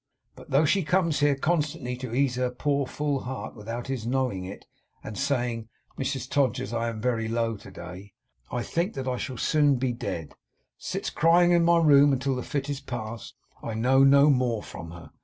But though she comes here, constantly, to ease her poor full heart without his knowing it; and saying, "Mrs Todgers, I am very low to day; I think that I shall soon be dead," sits crying in my room until the fit is past; I know no more from her.